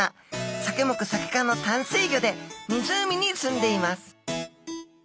サケ目サケ科の淡水魚で湖にすんでいます。